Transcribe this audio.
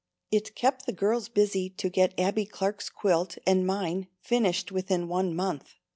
It kept the girls busy to get Abbie Clark's quilt and mine finished within one month.